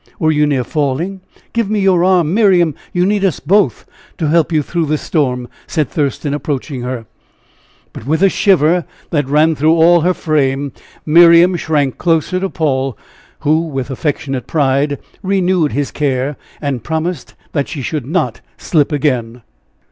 Were you near falling? Give me your arm, Miriam you need us both to help you through this storm," said Thurston, approaching her. But with a shiver that ran through all her frame, Miriam shrank closer to Paul, who, with affectionate pride, renewed his care, and promised that she should not slip again.